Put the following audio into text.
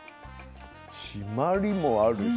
締まりもあるし